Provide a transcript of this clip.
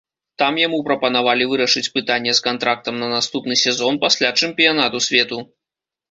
Там яму прапанавалі вырашыць пытанне з кантрактам на наступны сезон пасля чэмпіянату свету.